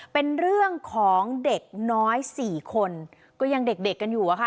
เป็นเรื่องของเด็กน้อยสี่คนก็ยังเด็กเด็กกันอยู่อะค่ะ